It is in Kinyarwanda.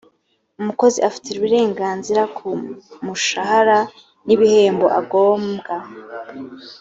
umukozi afite uburenganzira ku mushahara n’ ibihembo agombwa.